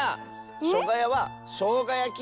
「しょがや」は「しょうがやき」！